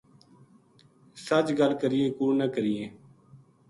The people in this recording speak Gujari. سچ گل کرینے کوڑ نہ کرینے